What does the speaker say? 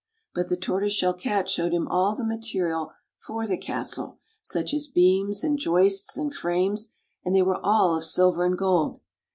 But the Tortoise Shell Cat showed him all the material for the castle, such as beams, and joists, and frames, and they were all of silver and gold.